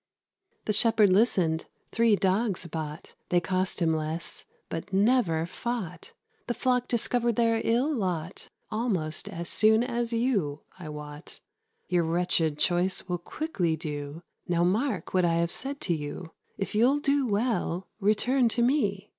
The shepherd listened three dogs bought: They cost him less, but never fought. The flock discovered their ill lot Almost as soon as you, I wot. Your wretched choice will quickly do: Now mark what I have said to you; If you'll do well, return to me."